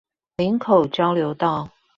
嶺口交流道